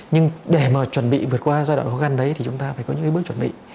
nhưng để mà chuẩn bị vượt qua giai đoạn khó khăn đấy thì chúng ta phải có những cái bước chuẩn bị